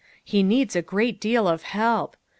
He needs a great deal of help.